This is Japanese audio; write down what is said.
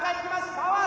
パワー！